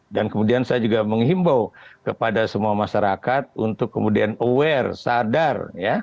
dan kemudian saya juga menghimbau kepada semua masyarakat untuk kemudian aware sadar